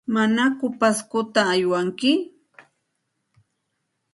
¿Manaku Pascota aywanki?